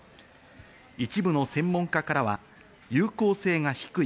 一部の専門家からは有効性が低い。